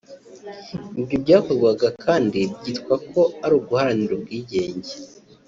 ibyo byakorwaga kandi byitwa ko ari uguharanira ubwigenge